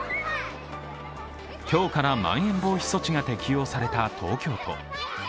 今日からまん延防止措置が適用された東京都。